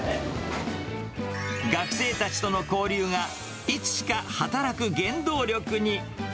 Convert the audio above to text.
学生たちとの交流が、いつしか働く原動力に。